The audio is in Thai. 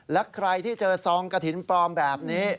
และใครที่เจอซองกระถิ่นปลอมแบบนี้